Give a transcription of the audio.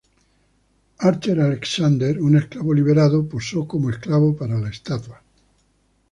Archer Alexander, un esclavo liberado, posó como esclavo para la estatua.